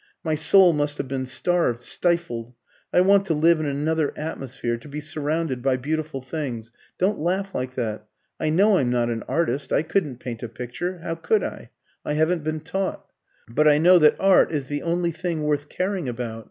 My soul must have been starved stifled. I want to live in another atmosphere, to be surrounded by beautiful things. Don't laugh like that, I know I'm not an artist; I couldn't paint a picture how could I? I haven't been taught. But I know that Art is the only thing worth caring about.